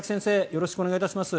よろしくお願いします。